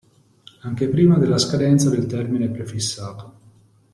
Anche prima della scadenza del termine prefissato.